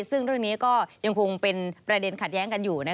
ซึ่งเรื่องนี้ก็ยังคงเป็นประเด็นขัดแย้งกันอยู่